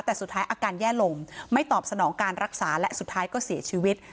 แต่สุดท้ายอาการแย่ลงไม่ตอบสนองการรักษาและสุดท้ายก็เสียชีวิต